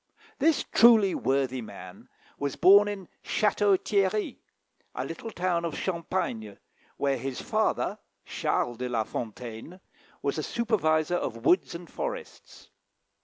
This truly worthy man was born in Château Thierry, a little town of Champagne, where his father, Charles de la Fontaine, was a supervisor of woods and forests.